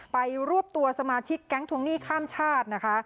รวบตัวสมาชิกแก๊งทวงหนี้ข้ามชาตินะคะ